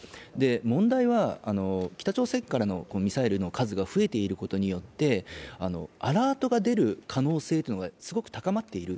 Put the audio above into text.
問題は、北朝鮮からのミサイルの数が増えていることによってアラートが出る可能性がすごく高まっている。